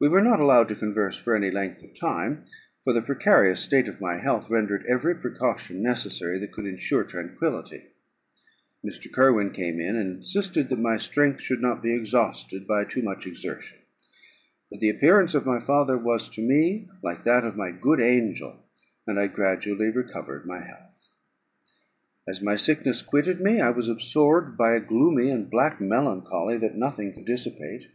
We were not allowed to converse for any length of time, for the precarious state of my health rendered every precaution necessary that could ensure tranquillity. Mr. Kirwin came in, and insisted that my strength should not be exhausted by too much exertion. But the appearance of my father was to me like that of my good angel, and I gradually recovered my health. As my sickness quitted me, I was absorbed by a gloomy and black melancholy, that nothing could dissipate.